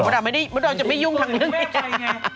มือดำไม่ได้มือดำจะไม่ยุ่งทางเรื่องเนี่ย